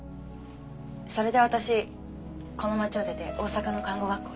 それで私この町を出て大阪の看護学校に。